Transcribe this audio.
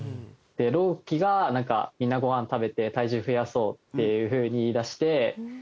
朗希がなんか「みんなごはん食べて体重増やそう」っていうふうに言いだして。